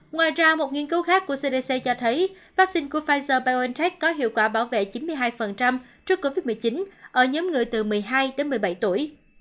ngoài ra một nghiên cứu khác của cdc cho thấy vaccine của pfizer biontech có hiệu quả bảo vệ chín mươi hai trước covid một mươi chín ở nhóm người từ một mươi hai đến một mươi bảy tuổi